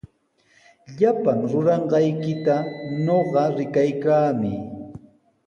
Llapan ruranqaykita ñuqa rikaykaami.